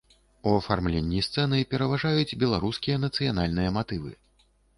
У афармленні сцэны пераважаюць беларускія нацыянальныя матывы.